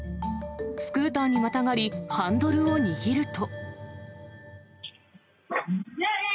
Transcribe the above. スクーターにまたがり、ハンドルを握ると。